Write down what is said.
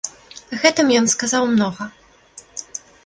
Гэтым ён сказаў многа.